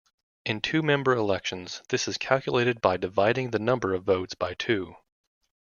In two-member elections this is calculated by dividing the number of votes by two.